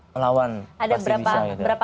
melawan pasti bisa ada berapa